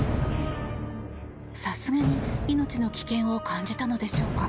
さすがに命の危険を感じたのでしょうか。